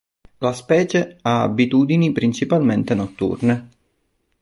La specie ha abitudini principalmente notturne.